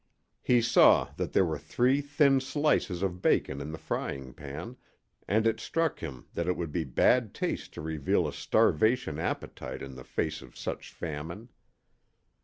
He saw that there were three thin slices of bacon in the frying pan, and it struck him that it would be bad taste to reveal a starvation appetite in the face of such famine.